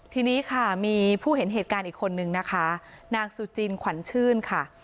ทีนี้ค่ะมีผู้เห็นเหตุการณ์อีกคนนึงนะคะนางสุจินขวัญชื่นค่ะ